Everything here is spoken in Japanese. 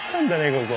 ここ。